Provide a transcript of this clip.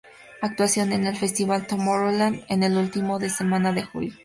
Actuación en el festival Tomorrowland, el último fin de semana de julio.